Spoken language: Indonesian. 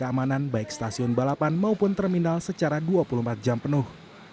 mereka harus mengambil alat keamanan baik stasiun balapan maupun terminal secara dua puluh empat jam penuh